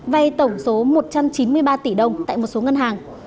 vay tổng số một trăm chín mươi ba tỷ đồng tại một số ngân hàng